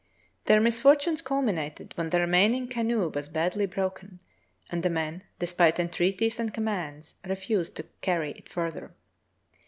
Their misfortunes culminated when the remaining canoe was badly broken, and the men, despite entreaties and commands, refused to carry it farther.